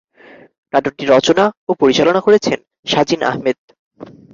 নাটকটি রচনা ও পরিচালনা করেছেন সাজিন আহমেদ।